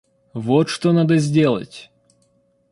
Вот что надо сделать!